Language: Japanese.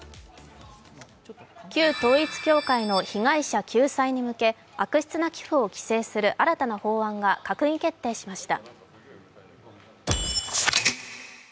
旧統一教会の被害者救済に向け悪質な寄付を規制する新たな法案が閣議決定しました。